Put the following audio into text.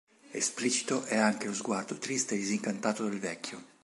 Esplicito è anche lo sguardo triste e disincantato del vecchio.